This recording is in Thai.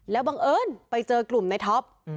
มีปังเอิญไปเจอกลุ่มในทอพ